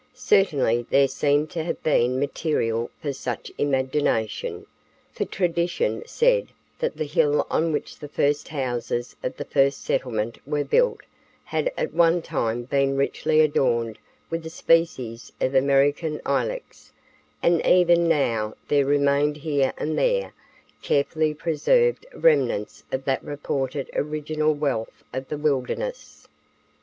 Certainly there seemed to have been material for such imagination, for tradition said that the hill on which the first houses of the first settlement were built had at one time been richly adorned with a species of American Ilex, and even now there remained here and there carefully preserved remnants of that reported original wealth of the wilderness.